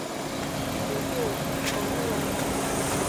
祖父冯文玉。